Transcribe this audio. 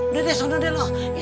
udah deh sodo deh loh